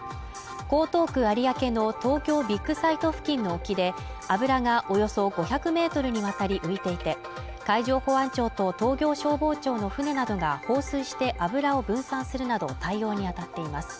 江東区有明の東京ビッグサイト付近の沖で油がおよそ５００ｍにわたり、浮いていて、海上保安庁と東京消防庁の船などが放水して油を分散するなど対応にあたっています。